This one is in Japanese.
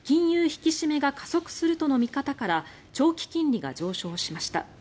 引き締めが加速するとの見方から長期金利が上昇しました。